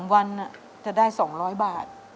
วันจะได้๒๐๐บาท